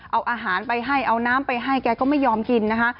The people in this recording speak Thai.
เอาอาหารไปให้เอาน้ำไปให้แกก็ไม่ยอมกินนะคะ